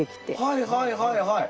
はいはいはいはい。